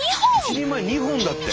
一人前２本だって！